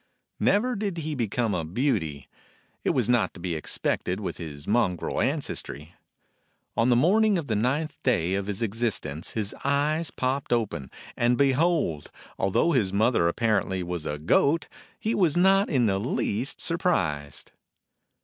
Never did he become a beauty. It was not to be expected with his mongrel ances try. On the morning of the ninth day of his existence his eyes popped open, and behold, although his mother apparently was a goat, he was not in the least surprised.